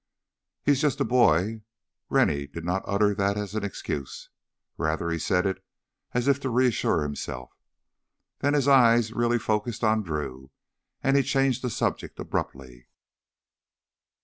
"He's just a boy." Rennie did not utter that as an excuse; rather he said it as if to reassure himself. Then his eyes really focused on Drew, and he changed the subject abruptly.